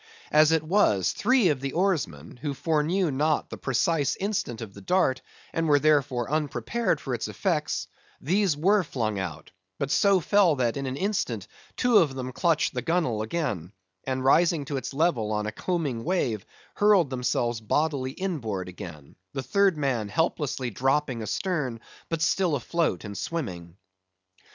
As it was, three of the oarsmen—who foreknew not the precise instant of the dart, and were therefore unprepared for its effects—these were flung out; but so fell, that, in an instant two of them clutched the gunwale again, and rising to its level on a combing wave, hurled themselves bodily inboard again; the third man helplessly dropping astern, but still afloat and swimming.